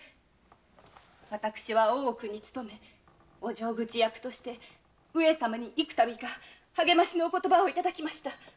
私は大奥に勤めお錠口役として上様に幾度か励ましのお言葉をいただきました。